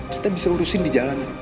kita bisa urusin di jalanan